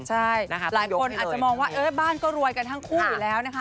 ใช่หลายคนอาจจะมองว่าบ้านก็รวยกันทั้งคู่อยู่แล้วนะคะ